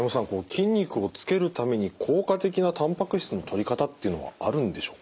筋肉をつけるために効果的なたんぱく質のとり方っていうのはあるんでしょうか？